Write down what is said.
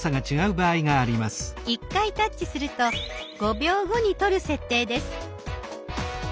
１回タッチすると５秒後に撮る設定です。